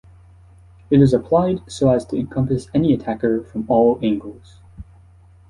It is applied so as to encompass any attacker from all angles.